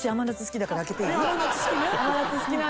甘夏好きね。